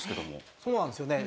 そうなんですよね。